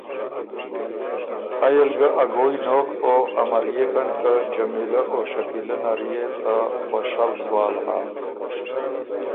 ائ ل ګه ا ګویٛ نوک او امريېکن که جمیلۀ او شکیلۀ نر يې ته خوشؤ سوال هۀ۔